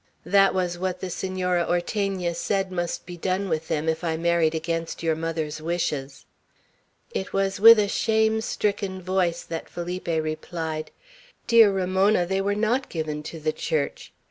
That was what the Senora Ortegna said must be done with them if I married against your mother's wishes." It was with a shame stricken voice that Felipe replied: "Dear Ramona, they were not given to the Church.